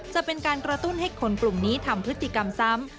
จะเป็นการกระตุ้นให้คนกลุ่มนี้ทำพฤติกรรมซ้ำ